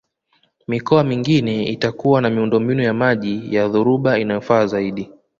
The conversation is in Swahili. Mikoa mingine itakuwa na miundombinu ya maji ya dhoruba inayofaa zaidi